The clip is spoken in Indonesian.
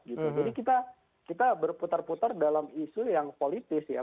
jadi kita berputar putar dalam isu yang politis ya